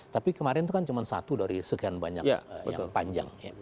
tapi kemarin itu kan cuma satu dari sekian banyak yang panjang